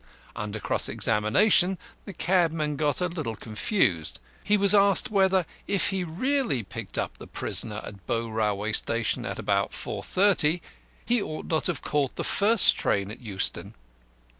Under cross examination, the cabman got a little confused; he was asked whether, if he really picked up the prisoner at Bow Railway Station at about 4.30, he ought not to have caught the first train at Euston.